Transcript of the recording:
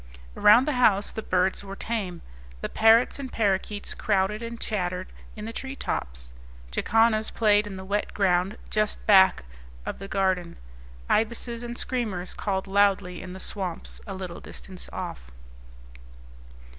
Around the house the birds were tame: the parrots and parakeets crowded and chattered in the tree tops; jacanas played in the wet ground just back of the garden; ibises and screamers called loudly in the swamps a little distance off.